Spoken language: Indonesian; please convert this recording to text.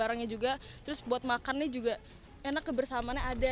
barangnya juga terus buat makannya juga enak kebersamaannya ada